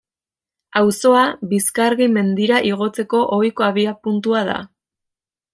Auzoa Bizkargi mendira igotzeko ohiko abiapuntua da.